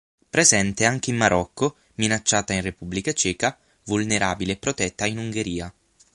Presente anche in Marocco, minacciata in Repubblica Ceca, vulnerabile e protetta in Ungheria.